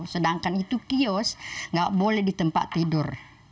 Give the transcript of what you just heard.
sedangkan itu kios nggak boleh di tempat tidur